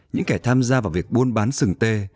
những kẻ tham gia vào việc buôn bán sừng tê